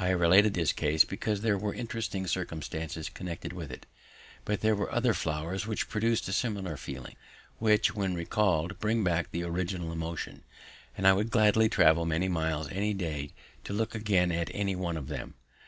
I have related this case because there were interesting circumstances connected with it; but there were other flowers which produced a similar feeling, which, when recalled, bring back the original emotion; and I would gladly travel many miles any day to look again at any one of them.